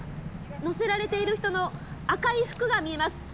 乗せられている人の赤い服が見えます。